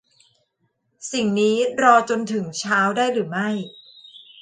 สิ่งนี้รอจนถึงเช้าได้หรือไม่